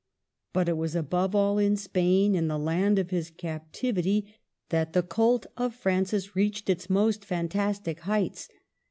But it was above all in Spain, in the land of his captivity, that the cult of Francis reached its most fantastic heights.